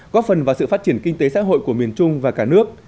góp phần vào sự phát triển kinh tế xã hội của miền trung và cả nước